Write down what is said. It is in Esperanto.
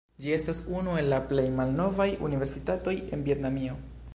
Ĝi estas unu el la plej malnovaj universitatoj en Vjetnamio.